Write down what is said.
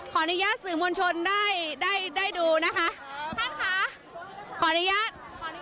ขออนุญาตสื่อมวลชนได้ได้ดูนะคะท่านค่ะขออนุญาต